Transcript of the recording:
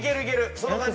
その感じ。